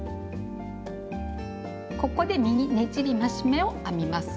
ここで「右ねじり増し目」を編みます。